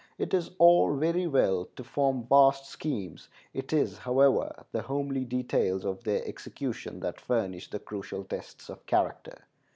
It is all very well to form vast schemes. It is, however, the homely details of their execution that furnish the crucial tests of character.